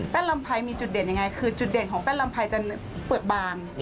แป้นลำไพมีจุดเด่นอย่างไรคือจุดเด่นของแป้นลำไพจะเปลือกบาง